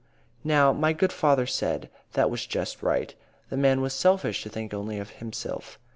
"Now, my good father said that was just right. The man was selfish to think only of himsilf.